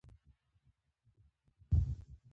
حتی هغه کسان چې د ژوند څخه یې یوازې.